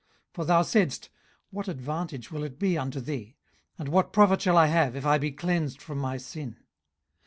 18:035:003 For thou saidst, What advantage will it be unto thee? and, What profit shall I have, if I be cleansed from my sin?